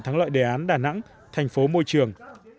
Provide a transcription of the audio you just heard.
thắng lợi đề án đà nẵng thành phố môi trường